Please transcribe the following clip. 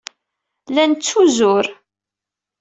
La nettuzur.